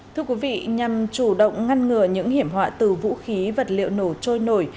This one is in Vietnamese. thưa quý vị nhằm chủ động ngăn ngừa những hiểm họa từ vũ khí vật liệu nổ trôi nổi